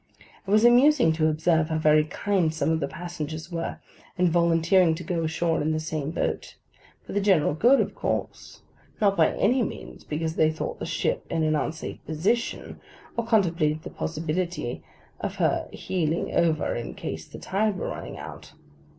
It was amusing to observe how very kind some of the passengers were, in volunteering to go ashore in this same boat: for the general good, of course: not by any means because they thought the ship in an unsafe position, or contemplated the possibility of her heeling over in case the tide were running out.